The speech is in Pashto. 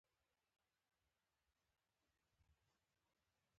امیر پولاد او امیر کروړ د افغانستان په کوم ځای کې وو؟